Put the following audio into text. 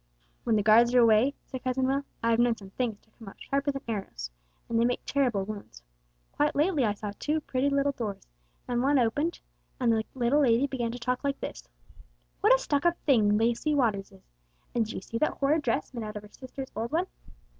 "When the guards are away," said Cousin Will, "I have known some things to come out sharper than arrows, and they make terrible wounds. Quite lately I saw two pretty little doors, and one opened and the little lady began to talk like this: 'What a stuck up thing Lucy Waters is! And did you see that horrid dress made out of her sister's old one?'